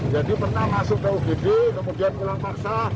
jadi pernah masuk ke ubd kemudian pulang paksa